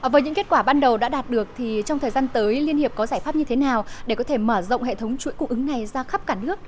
với những kết quả ban đầu đã đạt được thì trong thời gian tới liên hiệp có giải pháp như thế nào để có thể mở rộng hệ thống chuỗi cung ứng này ra khắp cả nước